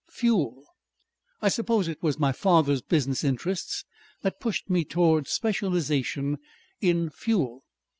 Fuel?... "I suppose it was my father's business interests that pushed me towards specialization in fuel.